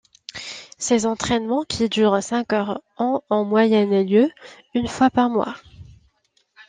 Ces entraînements qui durent cinq heures ont en moyenne lieu une fois par mois.